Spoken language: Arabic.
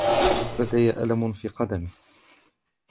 لدي ألم في قدمي.